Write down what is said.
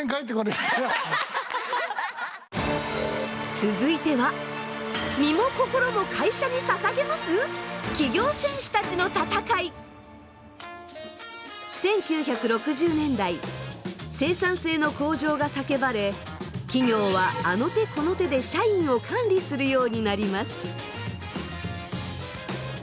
続いては１９６０年代生産性の向上が叫ばれ企業はあの手この手で社員を管理するようになります。